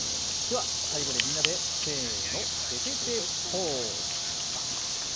では最後にみんなでせーの、てててポーズ！